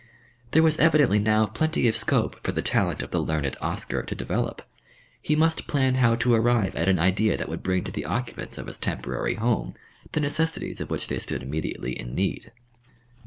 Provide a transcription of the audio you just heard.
There was evidently now plenty of scope for the talent of the learned Oscar to develop; he must plan how to arrive at an idea that would bring to the occupants of his temporary home the necessaries of which they stood immediately in need.